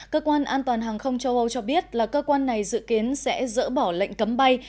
cơ quan an toàn hàng không châu âu cho biết là cơ quan này dự kiến sẽ dỡ bỏ lệnh cấm bay